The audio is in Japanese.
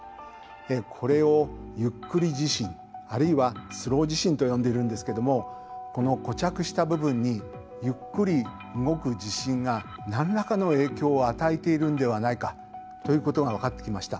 これを「ゆっくり地震」あるいは「スロー地震」と呼んでいるんですけどもこの固着した部分にゆっくり動く地震が何らかの影響を与えているんではないかということが分かってきました。